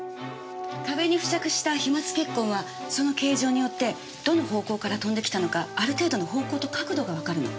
壁に付着した飛沫血痕はその形状によってどの方向から飛んできたのかある程度の方向と角度がわかるの。